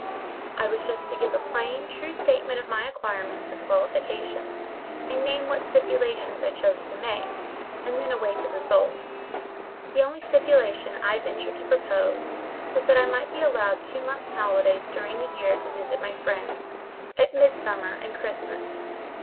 I was just to give a plain, true statement of my acquirements and qualifications, and name what stipulations I chose to make, and then await the result. The only stipulation I ventured to propose, was that I might be allowed two months' holidays during the year to visit my friends, at Midsummer and Christmas.